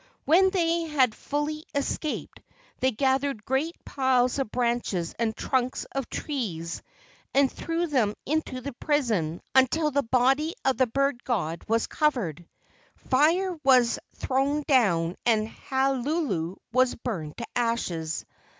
When they had fully escaped, they gathered great piles of branches and trunks of trees and threw them into the prison until the body of the bird THE STRANGE BANANA SKIN 71 god was covered. Fire was thrown down and Halulu was burned to ashes.